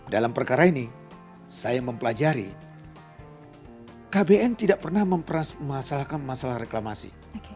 dalam perkara ini saya mempelajari kbn tidak pernah mempermasalahkan masalah reklamasi